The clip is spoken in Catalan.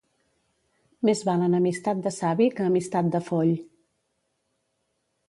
Més val enemistat de savi que amistat de foll.